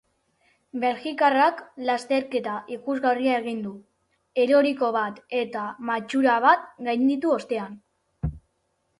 Belgikarrak lasterketa ikusgarria egin du, eroriko bat eta matxura bat gainditu ostean.